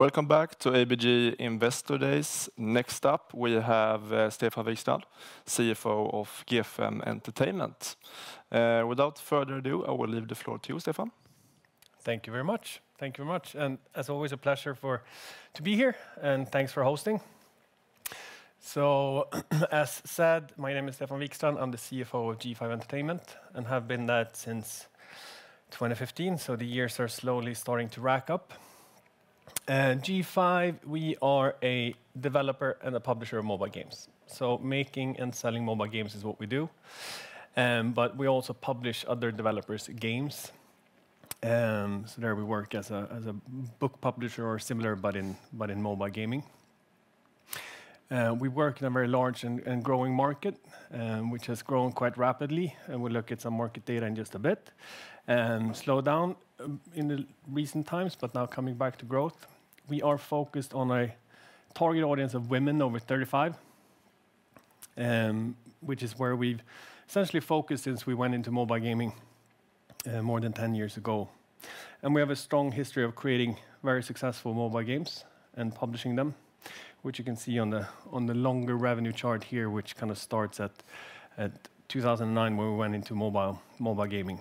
Welcome back to ABG Investor Days. Next up, we have, Stefan Wikstrand, CFO of G5 Entertainment. Without further ado, I will leave the floor to you, Stefan. Thank you very much. Thank you very much, and as always, a pleasure to be here, and thanks for hosting. So as said, my name is Stefan Wikstrand. I'm the CFO of G5 Entertainment and have been that since 2015, so the years are slowly starting to rack up. G5, we are a developer and a publisher of mobile games. So making and selling mobile games is what we do, but we also publish other developers' games. So there we work as a book publisher or similar, but in mobile gaming. We work in a very large and growing market, which has grown quite rapidly, and we'll look at some market data in just a bit. Slowed down in the recent times, but now coming back to growth. We are focused on a target audience of women over 35, which is where we've essentially focused since we went into mobile gaming, more than 10 years ago. We have a strong history of creating very successful mobile games and publishing them, which you can see on the longer revenue chart here, which kind of starts at 2009, when we went into mobile gaming.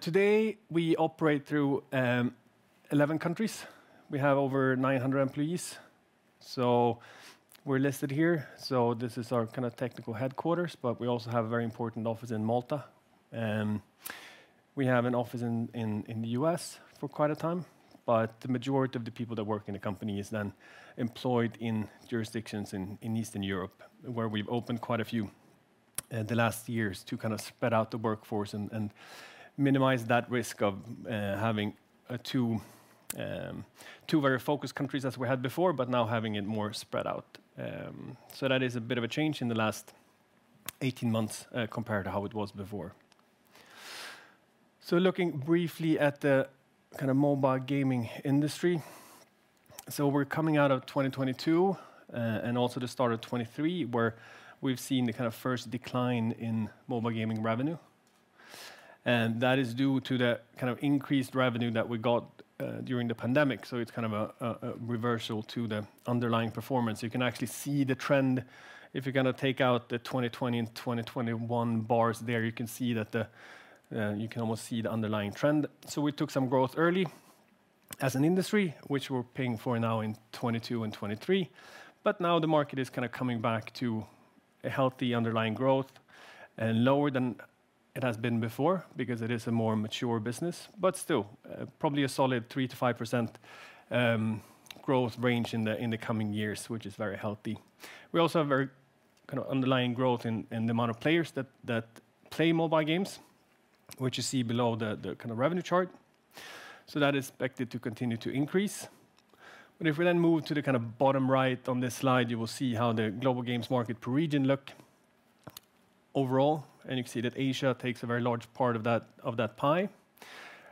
Today, we operate through 11 countries. We have over 900 employees. So we're listed here, so this is our kind of technical headquarters, but we also have a very important office in Malta, we have an office in the U.S. for quite a time, but the majority of the people that work in the company is then employed in jurisdictions in Eastern Europe, where we've opened quite a few the last years to kind of spread out the workforce and minimize that risk of having two very focused countries as we had before, but now having it more spread out. So that is a bit of a change in the last 18 months compared to how it was before. So looking briefly at the kind of mobile gaming industry. So we're coming out of 2022, and also the start of 2023, where we've seen the kind of first decline in mobile gaming revenue. And that is due to the kind of increased revenue that we got during the pandemic, so it's kind of a reversal to the underlying performance. You can actually see the trend. If you're gonna take out the 2020 and 2021 bars there, you can see that the... you can almost see the underlying trend. So we took some growth early as an industry, which we're paying for now in 2022 and 2023. But now the market is kind of coming back to a healthy underlying growth, lower than it has been before because it is a more mature business, but still, probably a solid 3%-5% growth range in the coming years, which is very healthy. We also have very kind of underlying growth in the amount of players that play mobile games, which you see below the kind of revenue chart. So that is expected to continue to increase. But if we then move to the kind of bottom right on this slide, you will see how the global games market per region look overall, and you can see that Asia takes a very large part of that pie.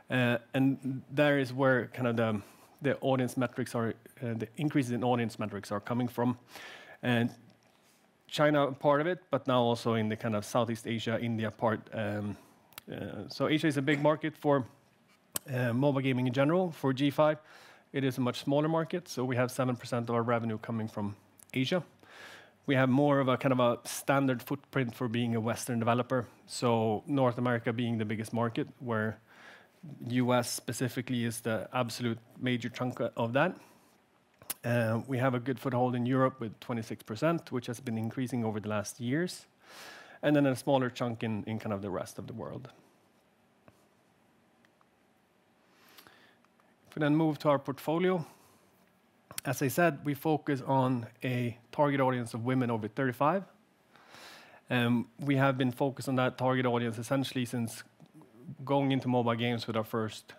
And there is where kind of the audience metrics are, the increases in audience metrics are coming from. And China, part of it, but now also in the kind of Southeast Asia, India part. So Asia is a big market for mobile gaming in general. For G5, it is a much smaller market, so we have 7% of our revenue coming from Asia. We have more of a kind of a standard footprint for being a Western developer, so North America being the biggest market, where U.S. specifically is the absolute major chunk of that. We have a good foothold in Europe with 26%, which has been increasing over the last years, and then a smaller chunk in kind of the rest of the world. If we then move to our portfolio, as I said, we focus on a target audience of women over 35, we have been focused on that target audience essentially since going into mobile games with our first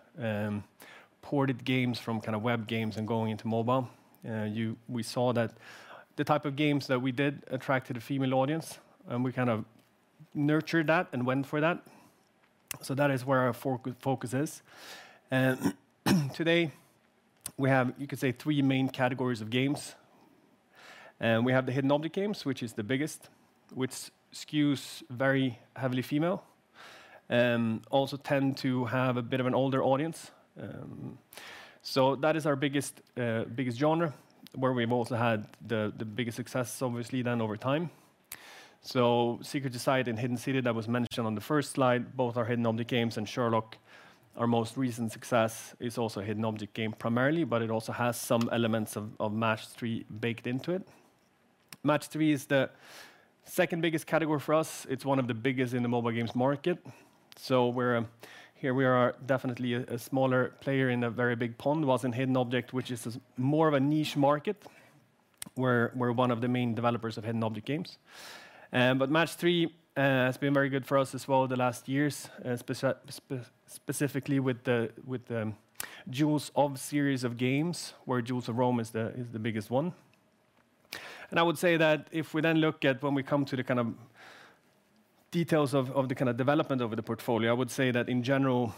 ported games from kind of web games and going into mobile. We saw that the type of games that we did attracted a female audience, and we kind of nurtured that and went for that. So that is where our focus is. And today, we have, you could say, three main categories of games. We have the hidden object games, which is the biggest, which skews very heavily female, also tend to have a bit of an older audience. So that is our biggest genre, where we've also had the biggest successes, obviously, then over time. So Secret Society and Hidden City, that was mentioned on the first slide, both are hidden object games, and Sherlock, our most recent success, is also a hidden object game primarily, but it also has some elements of Match-3 baked into it. Match-3 is the second biggest category for us. It's one of the biggest in the mobile games market. So we're here, we are definitely a smaller player in a very big pond, while in hidden object, which is more of a niche market, we're one of the main developers of hidden object games. But Match-3 has been very good for us as well the last years, specifically with the Jewels of series of games, where Jewels of Rome is the biggest one. I would say that if we then look at when we come to the details of the kind of development over the portfolio, I would say that in general,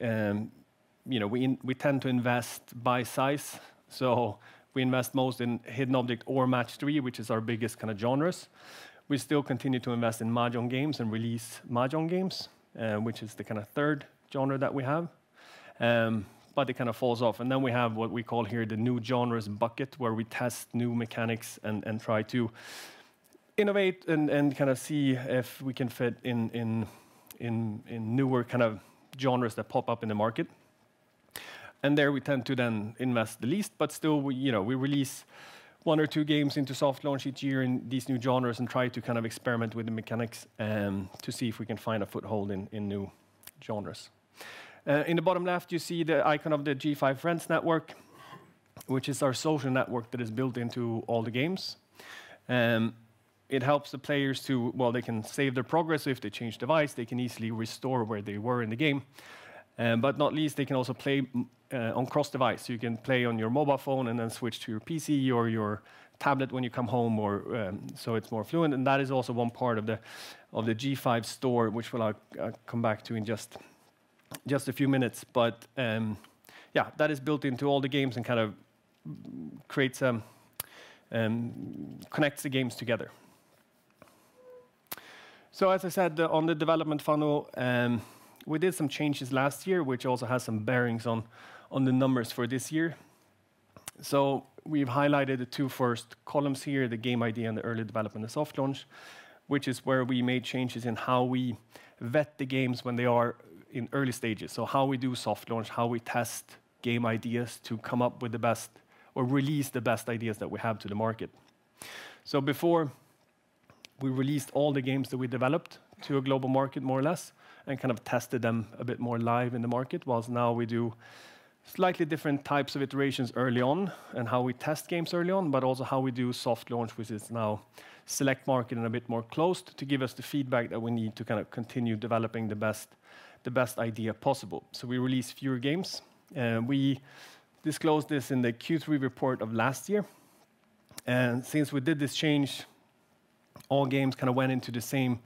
you know, we tend to invest by size, so we invest most in hidden object or Match-3, which is our biggest kind of genres. We still continue to invest in mahjong games and release mahjong games, which is the kind of third genre that we have. But it kind of falls off. And then we have what we call here the new genres bucket, where we test new mechanics and try to innovate and kind of see if we can fit in newer kind of genres that pop up in the market. There we tend to then invest the least, but still, we, you know, we release one or two games into soft launch each year in these new genres and try to kind of experiment with the mechanics, to see if we can find a foothold in new genres. In the bottom left, you see the icon of the G5 Friends network, which is our social network that is built into all the games. It helps the players to, well, they can save their progress, or if they change device, they can easily restore where they were in the game. But not least, they can also play on cross-device. So you can play on your mobile phone and then switch to your PC or your tablet when you come home, or so it's more fluent, and that is also one part of the G5 Store, which I will come back to in just a few minutes. But yeah, that is built into all the games and kind of creates and connects the games together. So, as I said, on the development funnel, we did some changes last year, which also has some bearings on the numbers for this year. So we've highlighted the two first columns here, the game idea and the early development and soft launch, which is where we made changes in how we vet the games when they are in early stages. So how we do soft launch, how we test game ideas to come up with the best, or release the best ideas that we have to the market. So before, we released all the games that we developed to a global market, more or less, and kind of tested them a bit more live in the market, while now we do slightly different types of iterations early on, and how we test games early on, but also how we do soft launch, which is now select market and a bit more closed to give us the feedback that we need to kind of continue developing the best, the best idea possible. So we release fewer games. We disclosed this in the Q3 report of last year, and since we did this change, all games kind of went into the same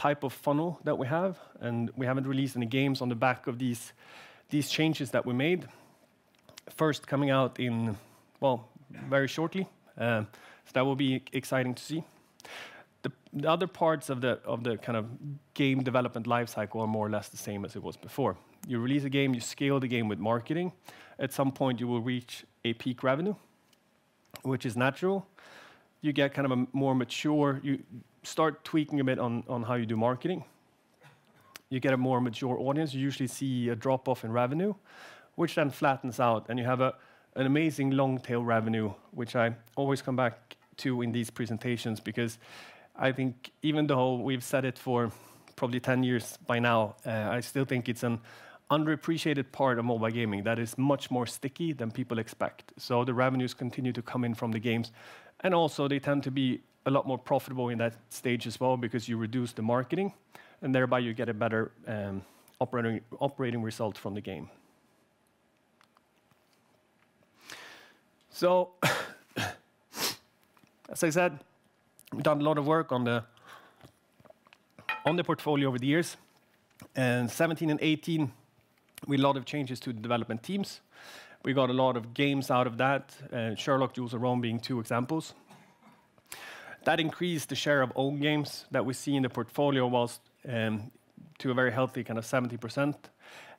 type of funnel that we have, and we haven't released any games on the back of these changes that we made. First coming out in well, very shortly, so that will be exciting to see. The other parts of the kind of game development life cycle are more or less the same as it was before. You release a game, you scale the game with marketing. At some point, you will reach a peak revenue, which is natural. You get kind of a more mature. You start tweaking a bit on how you do marketing. You get a more mature audience. You usually see a drop-off in revenue, which then flattens out, and you have an amazing long-tail revenue, which I always come back to in these presentations because I think even though we've said it for probably 10 years by now, I still think it's an underappreciated part of mobile gaming that is much more sticky than people expect. So the revenues continue to come in from the games, and also they tend to be a lot more profitable in that stage as well because you reduce the marketing, and thereby you get a better operating result from the game. So, as I said, we've done a lot of work on the portfolio over the years, and 17 and 18, we a lot of changes to the development teams. We got a lot of games out of that, Sherlock, Jewels of Rome being two examples. That increased the share of own games that we see in the portfolio while to a very healthy, kind of 70%.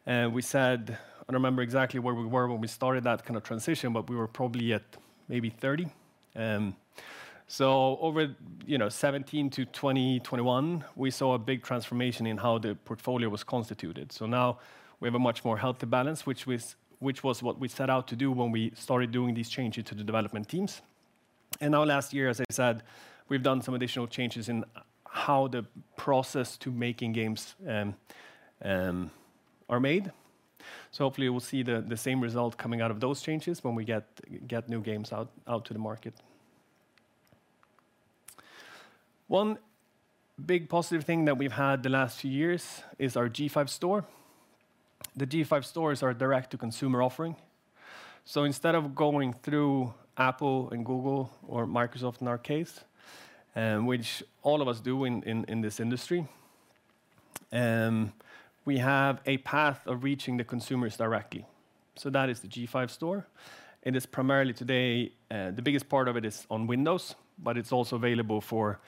And we said—I don't remember exactly where we were when we started that kind of transition, but we were probably at maybe 30. So over, you know, 2017-2021, we saw a big transformation in how the portfolio was constituted. So now we have a much more healthy balance, which was, which was what we set out to do when we started doing these changes to the development teams. And now, last year, as I said, we've done some additional changes in how the process to making games are made. So hopefully we'll see the same result coming out of those changes when we get new games out to the market. One big positive thing that we've had the last few years is our G5 Store. The G5 Store is our direct-to-consumer offering. So instead of going through Apple and Google or Microsoft in our case, which all of us do in this industry, we have a path of reaching the consumers directly. So that is the G5 Store. It is primarily today, the biggest part of it is on Windows, but it's also available for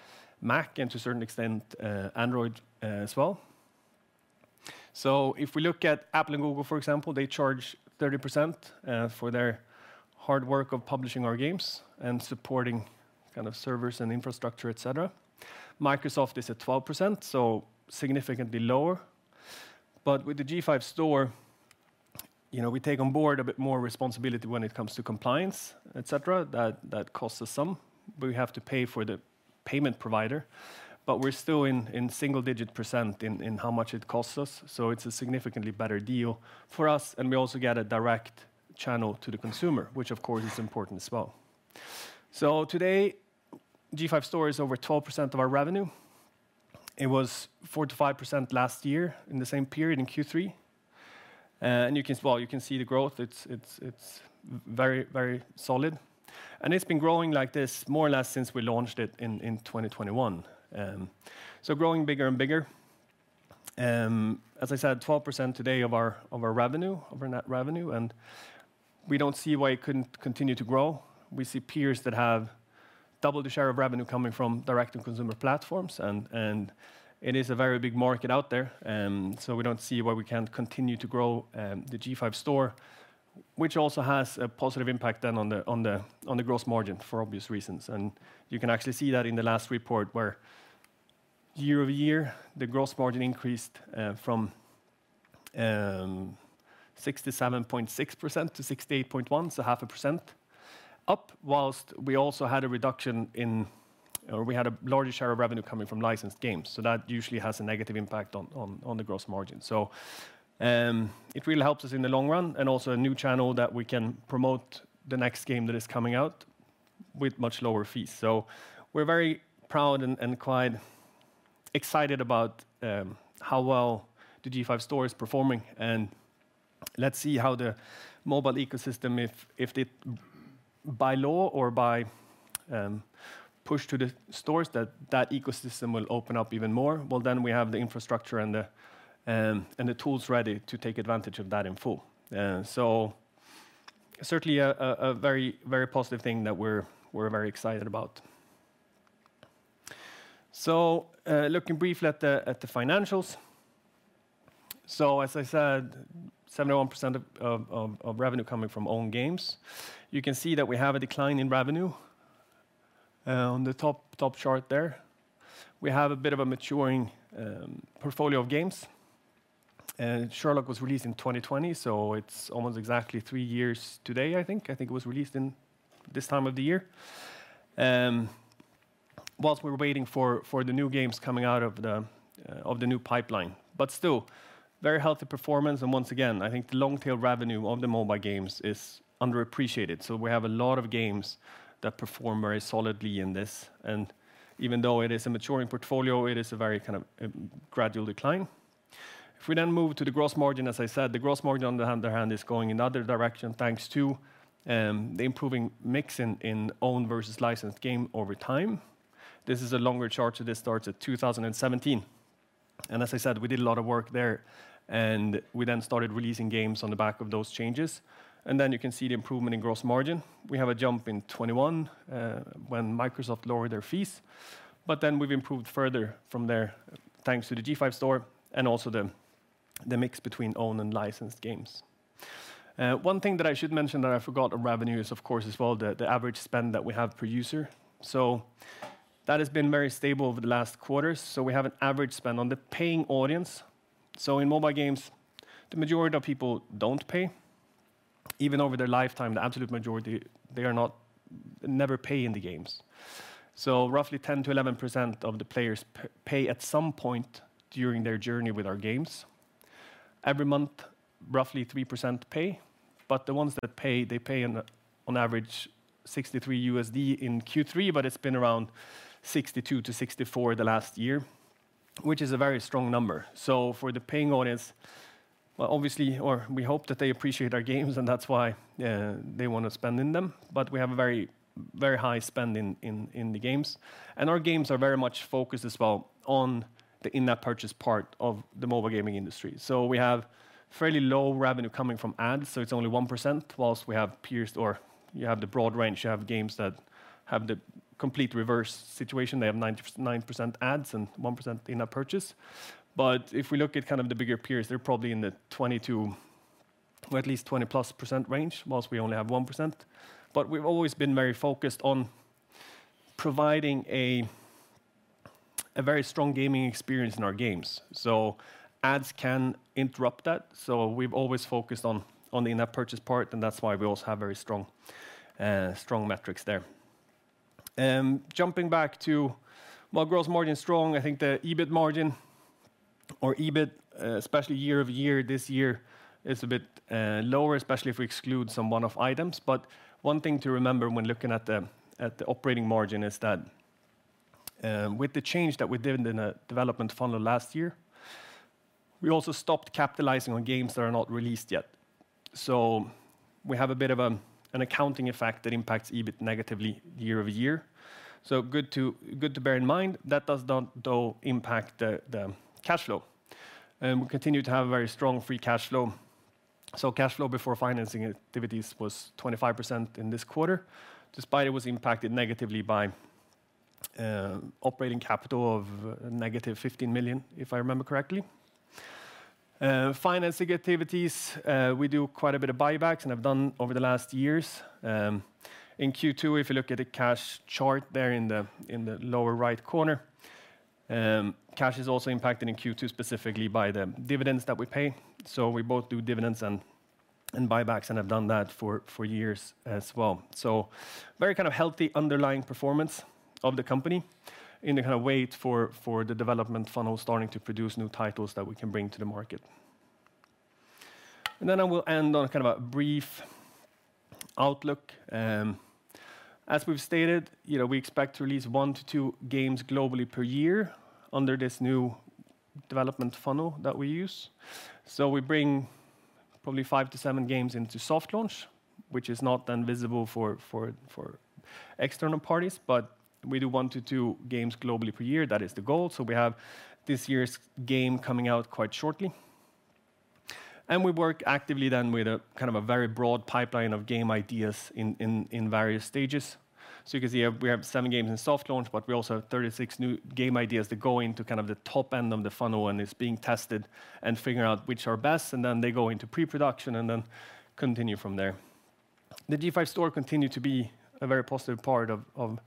Mac and to a certain extent, Android, as well. So if we look at Apple and Google, for example, they charge 30%, for their hard work of publishing our games and supporting kind of servers and infrastructure, et cetera. Microsoft is at 12%, so significantly lower. But with the G5 Store, you know, we take on board a bit more responsibility when it comes to compliance, et cetera, that costs us some. We have to pay for the payment provider, but we're still in single-digit percent in how much it costs us, so it's a significantly better deal for us, and we also get a direct channel to the consumer, which of course, is important as well. So today, G5 Store is over 12% of our revenue. It was 4%-5% last year in the same period in Q3, and you can, well, you can see the growth. It's very, very solid, and it's been growing like this more or less since we launched it in 2021. So growing bigger and bigger. As I said, 12% today of our, of our revenue, of our net revenue, and we don't see why it couldn't continue to grow. We see peers that have double the share of revenue coming from direct-to-consumer platforms, and it is a very big market out there. So we don't see why we can't continue to grow the G5 Store, which also has a positive impact then on the gross margin, for obvious reasons. You can actually see that in the last report, where year-over-year, the gross margin increased from 67.6%-68.1%, so 0.5%. Up, while we also had a reduction in, or we had a larger share of revenue coming from licensed games, so that usually has a negative impact on the gross margin. So, it really helps us in the long run, and also a new channel that we can promote the next game that is coming out with much lower fees. So we're very proud and quite excited about how well the G5 Store is performing, and let's see how the mobile ecosystem, if it by law or by push to the stores, that ecosystem will open up even more, well, then we have the infrastructure and the tools ready to take advantage of that in full. So certainly a very positive thing that we're very excited about. So, looking briefly at the financials. So as I said, 71% of revenue coming from own games. You can see that we have a decline in revenue on the top, top chart there. We have a bit of a maturing portfolio of games, and Sherlock was released in 2020, so it's almost exactly three years today, I think. I think it was released in this time of the year. Whilst we were waiting for the new games coming out of the new pipeline, but still very healthy performance, and once again, I think the long tail revenue of the mobile games is underappreciated. So we have a lot of games that perform very solidly in this, and even though it is a maturing portfolio, it is a very kind of a gradual decline. If we then move to the gross margin, as I said, the gross margin, on the other hand, is going in the other direction, thanks to the improving mix in own versus licensed game over time. This is a longer chart, so this starts at 2017, and as I said, we did a lot of work there, and we then started releasing games on the back of those changes. And then you can see the improvement in gross margin. We have a jump in 2021 when Microsoft lowered their fees, but then we've improved further from there, thanks to the G5 Store and also the mix between own and licensed games. One thing that I should mention that I forgot on revenue is, of course, as well, the average spend that we have per user. That has been very stable over the last quarters, so we have an average spend on the paying audience. In mobile games, the majority of people don't pay. Even over their lifetime, the absolute majority, they never pay in the games. Roughly 10%-11% of the players pay at some point during their journey with our games. Every month, roughly 3% pay, but the ones that pay, they pay on average $63 in Q3, but it's been around $62-$64 the last year, which is a very strong number. So for the paying audience, well, obviously, or we hope that they appreciate our games, and that's why they want to spend in them, but we have a very, very high spend in the games, and our games are very much focused as well on the in-app purchase part of the mobile gaming industry. So we have fairly low revenue coming from ads, so it's only 1%, while we have peers, or you have the broad range, you have games that have the complete reverse situation. They have 99% ads and 1% in-app purchase. But if we look at kind of the bigger peers, they're probably in the 20% to at least 20%+ range, while we only have 1%. But we've always been very focused on providing a very strong gaming experience in our games, so ads can interrupt that. So we've always focused on the in-app purchase part, and that's why we also have very strong metrics there. Jumping back to while gross margin is strong, I think the EBIT margin, or EBIT, especially year-over-year, this year is a bit lower, especially if we exclude some one-off items. But one thing to remember when looking at the operating margin is that with the change that we did in the development funnel last year, we also stopped capitalizing on games that are not released yet. So we have a bit of an accounting effect that impacts EBIT negatively year-over-year. So good to bear in mind. That does not, though, impact the cash flow. We continue to have a very strong free cash flow. Cash flow before financing activities was 25% in this quarter, despite it was impacted negatively by operating capital of negative 15 million, if I remember correctly. Financing activities, we do quite a bit of buybacks, and have done over the last years. In Q2, if you look at the cash chart there in the lower right corner, cash is also impacted in Q2 specifically by the dividends that we pay. We both do dividends and buybacks, and have done that for years as well. Very kind of healthy underlying performance of the company in the kind of wait for the development funnel starting to produce new titles that we can bring to the market. Then I will end on a kind of a brief outlook. As we've stated, you know, we expect to release one to two games globally per year under this new development funnel that we use. So we bring probably five to seven games into soft launch, which is not then visible for external parties, but we do one to two games globally per year. That is the goal, so we have this year's game coming out quite shortly. And we work actively then with a kind of a very broad pipeline of game ideas in various stages. So you can see here, we have seven games in soft launch, but we also have 36 new game ideas that go into kind of the top end of the funnel, and it's being tested and figuring out which are best, and then they go into pre-production and then continue from there. The G5 Store continue to be a very positive part of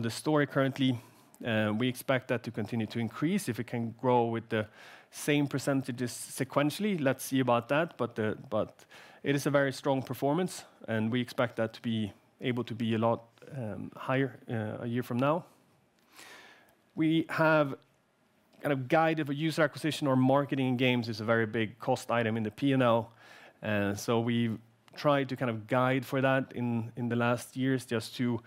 the story currently. We expect that to continue to increase if it can grow with the same percentages sequentially. Let's see about that, but it is a very strong performance, and we expect that to be able to be a lot higher a year from now. We have kind of guide of a user acquisition or marketing games is a very big cost item in the P&L. So we've tried to kind of guide for that in the last years, just to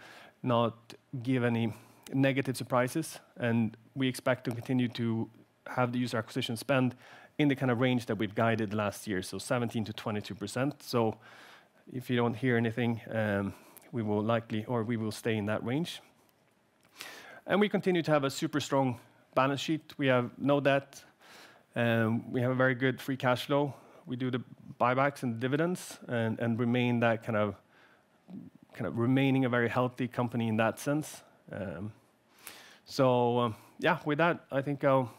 not give any negative surprises, and we expect to continue to have the user acquisition spend in the kind of range that we've guided last year, so 17%-22%. So if you don't hear anything, we will likely, or we will stay in that range. And we continue to have a super strong balance sheet. We have no debt, we have a very good free cash flow. We do the buybacks and dividends and remain that kind of, kind of remaining a very healthy company in that sense. So yeah, with that, I think I'll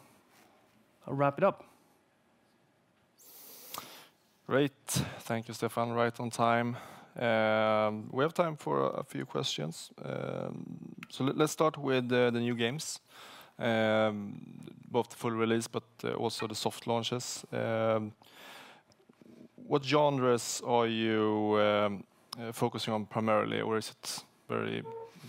wrap it up. Great. Thank you, Stefan. Right on time. We have time for a few questions. So let's start with the new games. Both the full release, but also the soft launches. What genres are you focusing on primarily, or is it very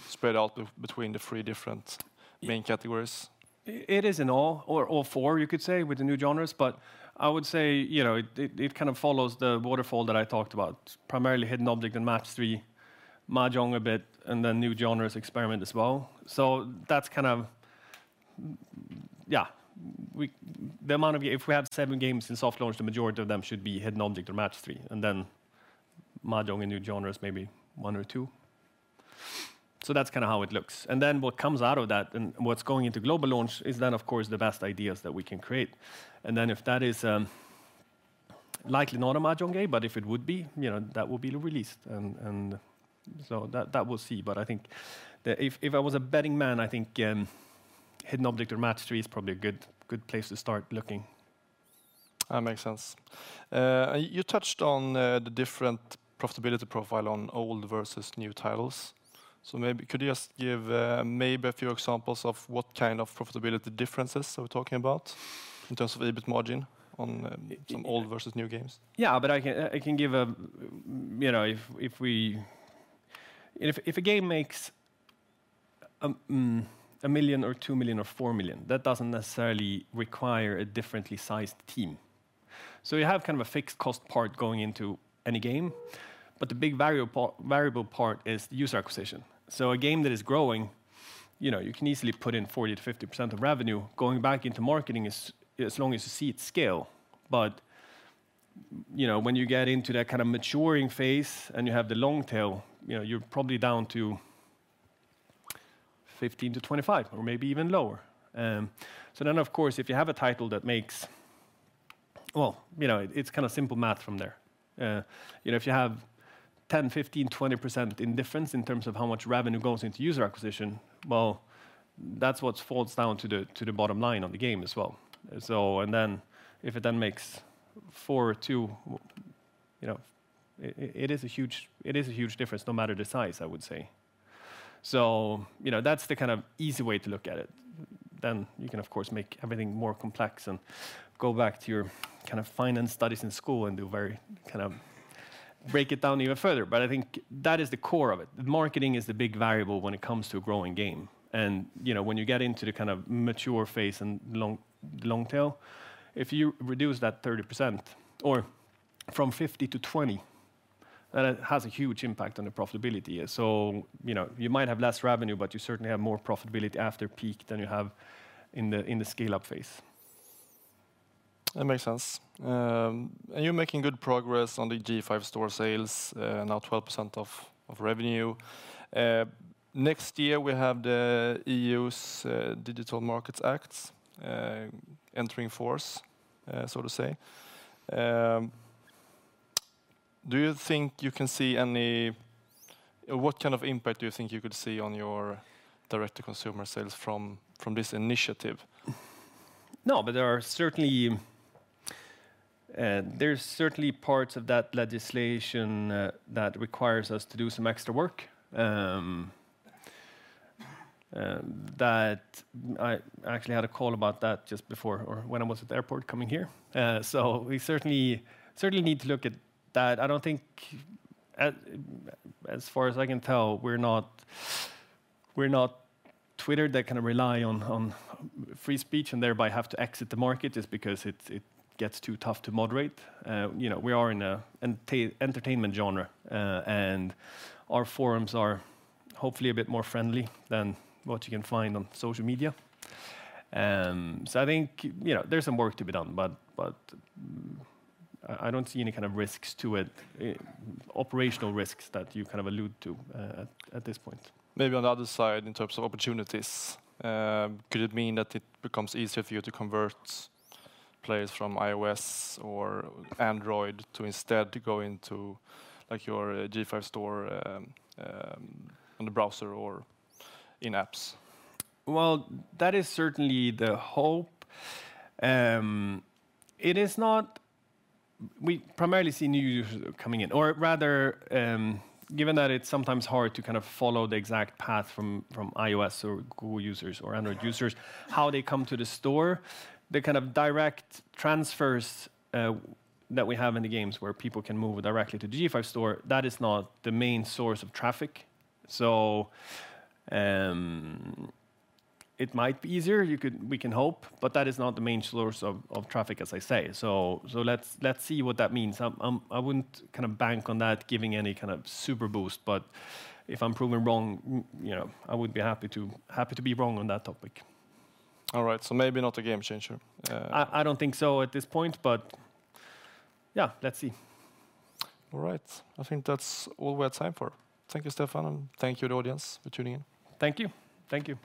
spread out between the three different main categories? It is in all or all four, you could say, with the new genres, but I would say, you know, it kind of follows the waterfall that I talked about, primarily hidden object and Match-3, mahjong a bit, and then new genres experiment as well. So that's kind of. Yeah, the amount of games. If we have seven games in soft launch, the majority of them should be hidden object or Match-3, and then mahjong and new genres, maybe one or two. So that's kinda how it looks. And then what comes out of that and what's going into global launch is then, of course, the best ideas that we can create. And then if that is likely not a Mahjong game, but if it would be, you know, that will be released, and so that we'll see. But I think that if I was a betting man, I think hidden object or Match-3 is probably a good place to start looking. That makes sense. You touched on the different profitability profile on old versus new titles. So maybe could you just give maybe a few examples of what kind of profitability differences are we talking about in terms of EBIT margin on some old versus new games? Yeah, but I can give a... You know, if we—if a game makes a $1 million or $2 million or $4 million, that doesn't necessarily require a differently sized team. So you have kind of a fixed cost part going into any game, but the big variable part is the user acquisition. So a game that is growing, you know, you can easily put in 40%-50% of revenue going back into marketing as long as you see it scale. But, you know, when you get into that kind of maturing phase and you have the long tail, you know, you're probably down to 15%-25%, or maybe even lower. So then, of course, if you have a title that makes... Well, you know, it's kinda simple math from there. You know, if you have 10%, 15%, 20% difference in terms of how much revenue goes into user acquisition, well, that's what falls down to the, to the bottom line on the game as well. So, and then if it then makes four or two, you know, it, it is a huge, it is a huge difference, no matter the size, I would say. So, you know, that's the kind of easy way to look at it. Then you can, of course, make everything more complex and go back to your kind of finance studies in school and do very kind of, break it down even further. But I think that is the core of it. Marketing is the big variable when it comes to a growing game, and, you know, when you get into the kind of mature phase and long, long tail, if you reduce that 30% or from 50% to 20%, then it has a huge impact on the profitability. So, you know, you might have less revenue, but you certainly have more profitability after peak than you have in the scale-up phase. That makes sense. You're making good progress on the G5 Store sales, now 12% of revenue. Next year, we have the EU's Digital Markets Act entering force, so to say. Do you think you can see any? What kind of impact do you think you could see on your direct-to-consumer sales from this initiative? No, but there are certainly, there's certainly parts of that legislation that requires us to do some extra work, that I actually had a call about that just before or when I was at the airport coming here. So we certainly, certainly need to look at that. I don't think, as far as I can tell, we're not, we're not Twitter that kinda rely on, on free speech and thereby have to exit the market just because it, it gets too tough to moderate. You know, we are in a entertainment genre, and our forums are hopefully a bit more friendly than what you can find on social media. So I think, you know, there's some work to be done, but I don't see any kind of risks to it, operational risks that you kind of allude to, at this point. Maybe on the other side, in terms of opportunities, could it mean that it becomes easier for you to convert players from iOS or Android to instead go into, like, your G5 Store, on the browser or in apps? Well, that is certainly the hope. It is not. We primarily see new users coming in, or rather, given that it's sometimes hard to kind of follow the exact path from iOS or Google users or Android users, how they come to the store, the kind of direct transfers that we have in the games where people can move directly to G5 Store, that is not the main source of traffic. So, it might be easier. You could, we can hope, but that is not the main source of traffic, as I say. So, let's see what that means. I wouldn't kind of bank on that giving any kind of super boost, but if I'm proven wrong, you know, I would be happy to be wrong on that topic. All right, so maybe not a game changer. I don't think so at this point, but yeah, let's see. All right. I think that's all we have time for. Thank you, Stefan, and thank you to the audience for tuning in. Thank you. Thank you.